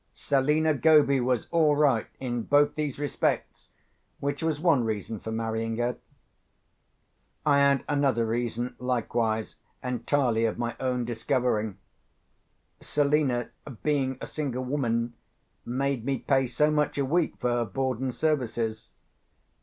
Selina Goby was all right in both these respects, which was one reason for marrying her. I had another reason, likewise, entirely of my own discovering. Selina, being a single woman, made me pay so much a week for her board and services.